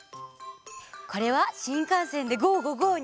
これは「新幹線でゴー！